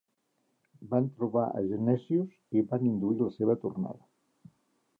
Van trobar a Genesius i van induir la seva tornada.